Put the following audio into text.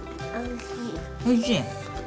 おいしい？